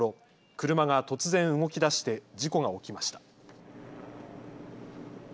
車が突然、動きだして事故が起きました。